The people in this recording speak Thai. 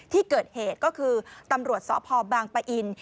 ที่เกิดเหตุก็คือตำรวจสพบางปะอิน